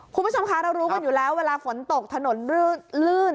คุณผู้ชมคะเรารู้กันอยู่แล้วเวลาฝนตกถนนลื่น